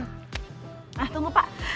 nah tunggu pak